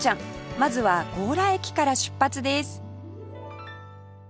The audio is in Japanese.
まずは強羅駅から出発です